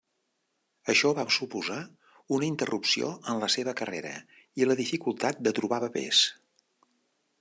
Això va suposar una interrupció en la seva carrera i la dificultat de trobar papers.